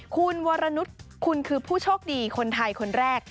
คุณวรนุษย์คุณคือผู้โชคดีคนไทยคนแรก